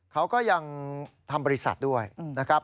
เขาก็ยังทำบริษัทด้วยนะครับ